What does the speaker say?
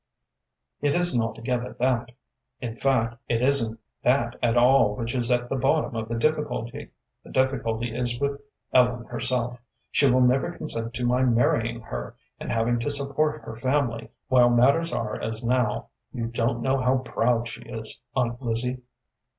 "It isn't altogether that; in fact, it isn't that at all which is at the bottom of the difficulty. The difficulty is with Ellen herself. She will never consent to my marrying her, and having to support her family, while matters are as now. You don't know how proud she is, Aunt Lizzie."